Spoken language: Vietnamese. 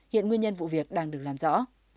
hiện nguyên nhân vụ việc đang được làm rõ